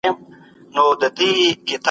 آیا د دري او پښتو ژبو ترمنځ توپیر شته؟